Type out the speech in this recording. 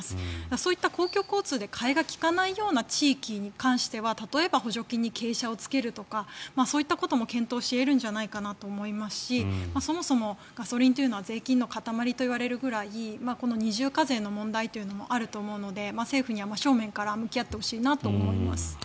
そういった公共交通で替えが利かないような地域に関しては例えば補助金に傾斜をつけるとかそういったことも検討し得るのではないかと思いますしそもそもガソリンというのは税金の塊といわれるぐらいこの二重課税の問題もあると思うので政府には真正面から向き合ってほしいなと思います。